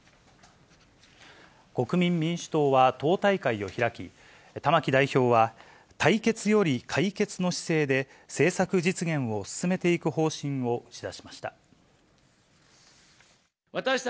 国民民主党は党大会を開き、玉木代表は、対決より解決の姿勢で、政策実現を進めていく方針を打ち出しました。